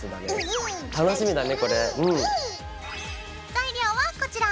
材料はこちら！